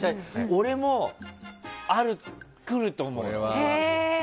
俺も来ると思うよ。